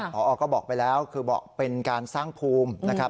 พอก็บอกไปแล้วคือบอกเป็นการสร้างภูมินะครับ